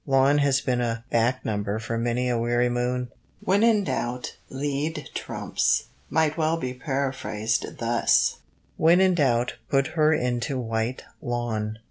Lawn has been a back number for many a weary moon, and still we read of it! "When in doubt, lead trumps," might well be paraphrased thus: "When in doubt, put her into white lawn!"